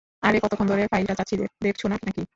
আরে কতোক্ষণ ধরে ফাইলটা চাচ্ছি, দেখোছ না নাকি?